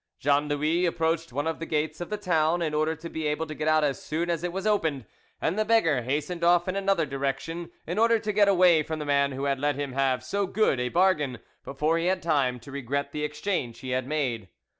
Jean Louis approached one of the gates of the town, in order to be able to get out as soon as it was opened, and the beggar hastened off in another direction, in order to get away from the man who had let him have so good a bargain, before he had time to regret the exchange he had made.